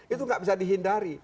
itu gak bisa dihindari